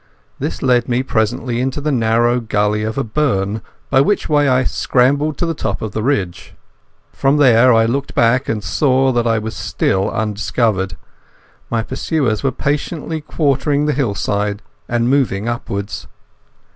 This led me presently into the narrow gully of a burn, by way of which I scrambled to the top of the ridge. From there I looked back, and saw that I was still undiscovered. My pursuers were patiently quartering the hillside and moving upwards.